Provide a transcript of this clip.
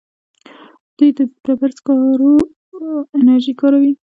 دوی د ډبرو سکرو انرژي کاروي.